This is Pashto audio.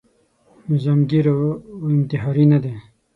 نظاميګر او انتحاري نه دی.